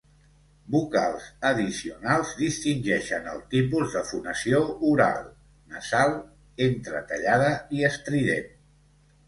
Vocals addicionals distingeixen els tipus de fonació oral, nasal, entretallada i estrident.